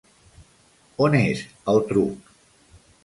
On, és, el, truc.